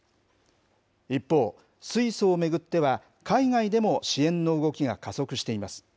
一方、水素を巡っては、海外でも支援の動きが加速しています。